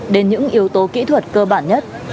đến những yếu tố kỹ thuật cơ bản nhất